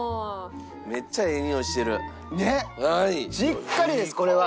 しっかりですこれは。